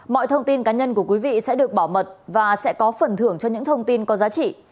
mọi thông tin cá nhân của quý vị sẽ được bảo mật và sẽ có phần thưởng cho những thông tin có giá trị